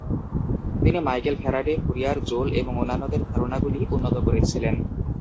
তিনি Michael Faraday, Fourier, Joule এবং অন্যান্যদের ধারণাগুলি উন্নত করেছিলেন।